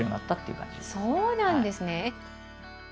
そうなんですね。